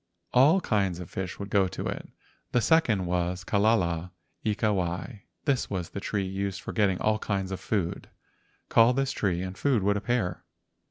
All kinds of fish would go to it. The second was "Kalala ika wai." This was the tree used for getting all kinds of food. Call this tree and food would appear.